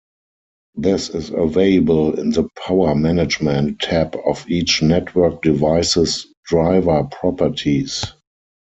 This is available in the Power Management tab of each network device's driver properties.